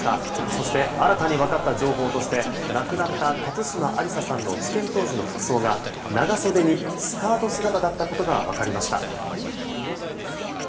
そして新たに分かった情報として亡くなった辰島ありささんの事件当時の服装が長袖にスカート姿だったことが分かりました。